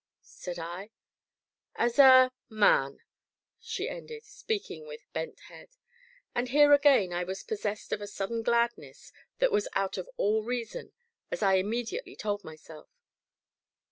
said I. "As a man," she ended, speaking with bent head. And here again I was possessed of a sudden gladness that was out of all reason, as I immediately told myself.